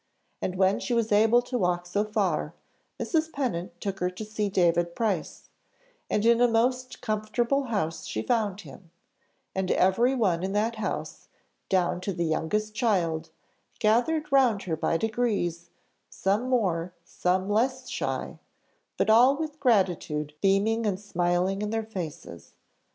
And when she was able to walk so far, Mrs. Pennant took her to see David Price, and in a most comfortable house she found him; and every one in that house, down to the youngest child, gathered round her by degrees, some more, some less shy, but all with gratitude beaming and smiling in their faces.